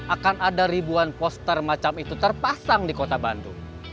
akan ada ribuan poster macam itu terpasang di kota bandung